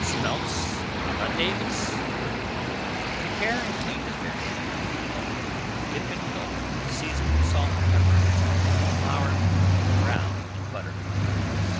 SMELTS À LA DAVIS Prepare and clean the fish, remove the bone, [Page 376] dip in milk, season with salt and pepper, dip in flour, and brown in butter.